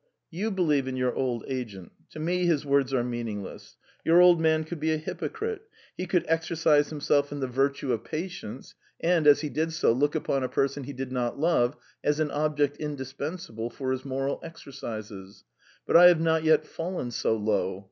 ..." "You believe in your old agent; to me his words are meaningless. Your old man could be a hypocrite; he could exercise himself in the virtue of patience, and, as he did so, look upon a person he did not love as an object indispensable for his moral exercises; but I have not yet fallen so low.